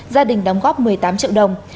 gia đình đóng góp một mươi tám triệu đồng